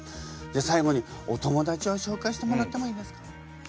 じゃ最後にお友達を紹介してもらってもいいですか？